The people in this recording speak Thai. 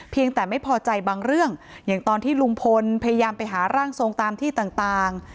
แต่ไม่พอใจบางเรื่องอย่างตอนที่ลุงพลพยายามไปหาร่างทรงตามที่ต่าง